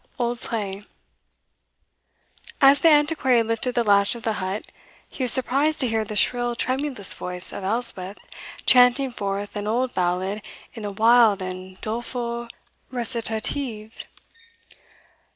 Old Play. As the Antiquary lifted the latch of the hut, he was surprised to hear the shrill tremulous voice of Elspeth chanting forth an old ballad in a wild and doleful recitative.